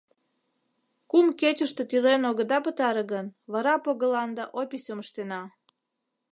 Кум кечыште тӱлен огыда пытаре гын, вара погыланда описьым ыштена.